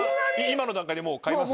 今の段階でもう買います？